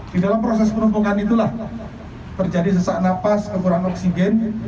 di dalam proses penumpukan itulah terjadi sesak nafas kekurangan oksigen